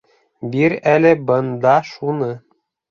Бир әле бында шуны.